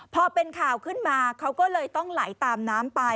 พอเป็นข่าวขึ้นมาเขาก็เลยต้องไหลตามน้ำไป